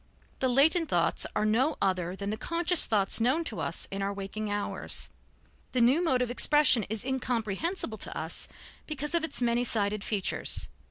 The latent thoughts are no other than the conscious thoughts known to us in our waking hours; the new mode of expression is incomprehensible to us because of its many sided features.